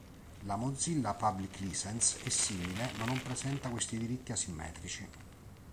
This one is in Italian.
La Mozilla Public License è simile, ma non presenta questi diritti asimmetrici.